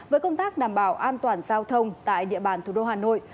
với công tác đảm bảo an toàn giao thông tại địa bàn thủ đô hà nội